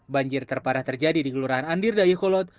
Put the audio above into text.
banjir terparah terjadi di kelurahan andir dayakolot